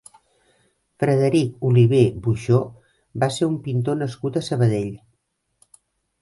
Frederic Oliver Buxó va ser un pintor nascut a Sabadell.